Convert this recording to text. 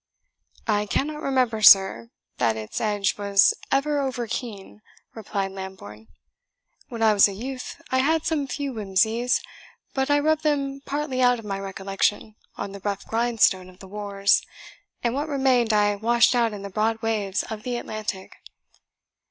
"I cannot remember, sir, that its edge was ever over keen," replied Lambourne. "When I was a youth, I had some few whimsies; but I rubbed them partly out of my recollection on the rough grindstone of the wars, and what remained I washed out in the broad waves of the Atlantic."